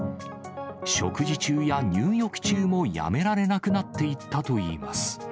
食事中や入浴中もやめられなくなっていったといいます。